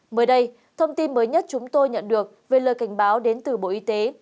mới đây thông tin mới nhất chúng tôi nhận được về lời cảnh báo đến từ bộ y tế